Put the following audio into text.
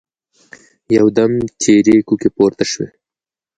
يودم تېرې کوکې پورته شوې.